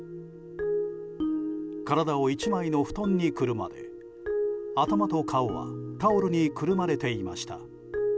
体を１枚の布団にくるまれ頭と顔はタオルにくるまれていました。